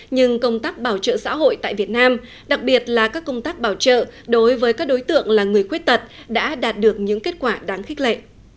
nhưng công tác bảo trợ xã hội tại việt nam đặc biệt là các công tác bảo trợ đối với các đối tượng là người khuyết tật đã đạt được những kết quả đáng khích lệ